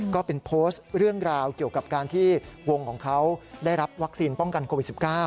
ก็เป็นโพสต์เรื่องราวเกี่ยวกับการที่วงของเขาได้รับวัคซีนป้องกันโควิด๑๙